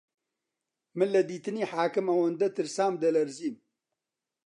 من لە دیتنی حاکم ئەوەندە ترسام دەلەرزیم